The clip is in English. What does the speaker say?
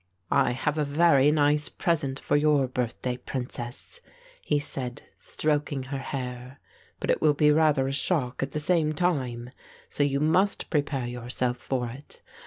"I have a very nice present for your birthday, princess," he said, stroking her hair, "but it will be rather a shock at the same time, so you must prepare yourself for it.